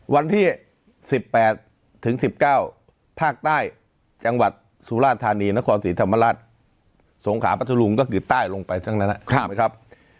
วันที่๑๘๑๙ภาคใต้จังหวัดสุราชธานีนครศิษย์ธรรมรัฐสงขาปัจจุลุงก็ถือใต้ลงไปซึ่งนะครับ